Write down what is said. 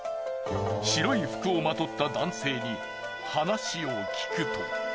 白い服をまとった男性に話を聞くと。